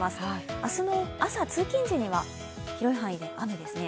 明日の朝、通勤時には広い範囲で雨ですね。